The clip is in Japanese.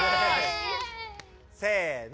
せの。